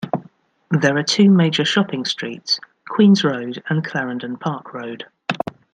There are two major shopping streets; Queens Road and Clarendon Park Road.